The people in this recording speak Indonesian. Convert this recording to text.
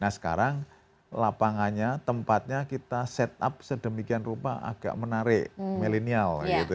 nah sekarang lapangannya tempatnya kita set up sedemikian rupa agak menarik millennial gitu ya